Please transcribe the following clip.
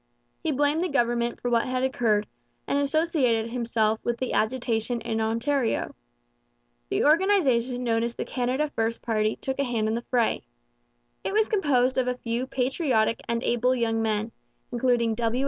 He blamed the government for what had occurred, and associated himself with the agitation in Ontario. The organization known as the Canada First party took a hand in the fray. It was composed of a few patriotic and able young men, including W.